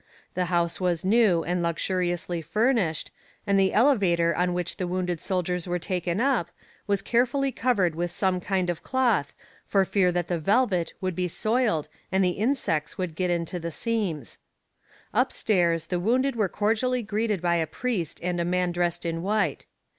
The house was new and luxuriously furnished, and the elevator on which the wounded soldiers were taken up, was carefully covered with some kind of cloth, for fear that the velvet would be soiled and the insects would get into the seams. Upstairs the wounded were cordially greeted by a priest and a man dressed in white.